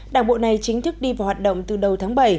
đảng bộ này chính thức đi vào hoạt động từ đầu tháng bảy